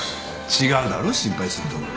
違うだろ心配するところが。